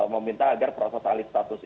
meminta agar proses alih status